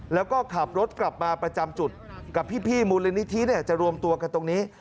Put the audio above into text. แล้วก็ขับรถกลับมาประจำจุดกับพี่มูลนิธิจะรวมตัวกันตรงนี้